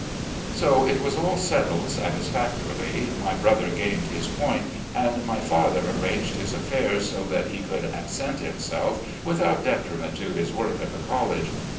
So it was all settled satisfactorily; my brother gained his point, and my father arranged his affairs so that he could absent himself without detriment to his work at the college.